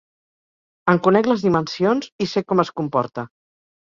En conec les dimensions i sé com es comporta.